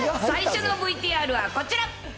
最初のＶＴＲはこちら。